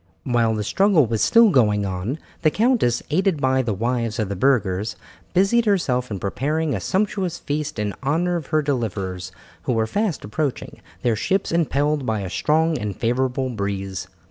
While the struggle was still going on, the countess, aided by the wives of the burghers, busied herself in preparing a sumptuous feast in honour of her deliverers who were fast approaching, their ships impelled by a strong and favourable breeze.